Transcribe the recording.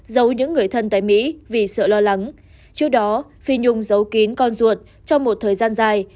giấu những người thân tại mỹ vì sợ lo lắng trước đó phi nhung giấu kín con ruột trong một thời gian dài